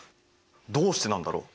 どうしてなんだろう？